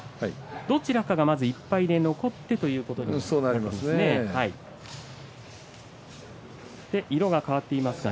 どちらかがまず１敗で残ってということになりますね。